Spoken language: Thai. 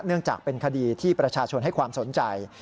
เนื่องจากเป็นคดีที่ประชาชนให้ความสนใจ